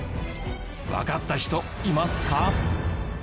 わかった人いますか？